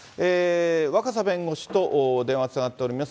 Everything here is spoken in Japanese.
若狭弁護士と電話がつながっております。